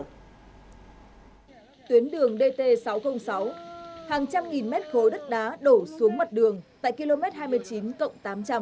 tuyến đường dt sáu trăm linh sáu hàng trăm nghìn mét khối đất đá đổ xuống mặt đường tại km hai mươi chín cộng tám trăm linh